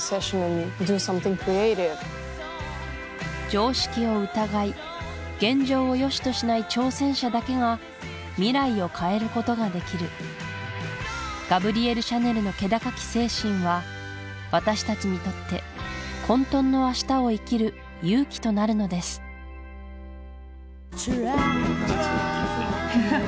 常識を疑い現状をよしとしない挑戦者だけが未来を変えることができるガブリエル・シャネルの気高き精神は私たちにとって混沌の明日を生きる勇気となるのですフフフ。